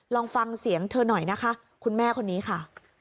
ลองฟังเสียงเธอหน่อยนะคะคุณแม่คนนี้ค่ะ